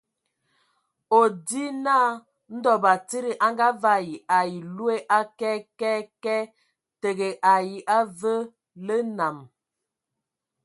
O ndzi naa ndɔ batsidi a ngavaɛ ai loe a kɛɛ kɛé kɛɛ, tǝgǝ ai avǝǝ lǝ nam.